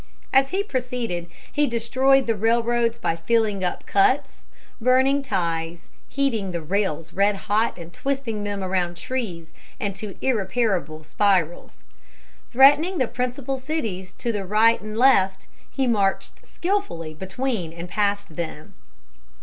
As he proceeded, he destroyed the railroads by filling up cuts, burning ties, heating the rails red hot and twisting them around trees and into irreparable spirals. Threatening the principal cities to the right and left, he marched skilfully between and past them.